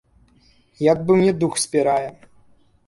Як бы мне дух спірае.